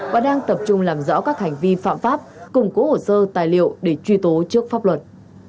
và đang tập trung làm rõ các hành vi phạm pháp củng cố hồ sơ tài liệu để truy tố trước pháp luật